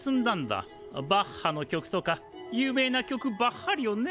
バッハの曲とか有名な曲ばっはりをね。